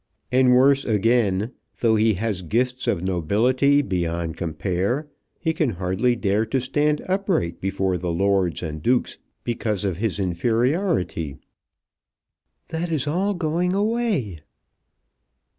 And worse again: though he has gifts of nobility beyond compare he can hardly dare to stand upright before lords and dukes because of his inferiority." "That is all going away."